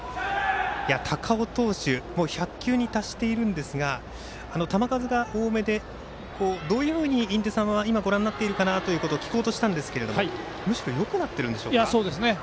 高尾投手、１００球に達しているんですが球数が多めでどういうふうに印出さんは今ご覧になっているかなということを聞こうとしたんですけどむしろよくなっているんでしょうか。